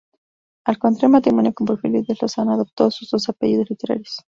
Al contraer matrimonio con Porfirio Díaz Lozano, adoptó sus dos apellidos literarios.